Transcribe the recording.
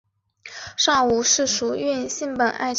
生平不详。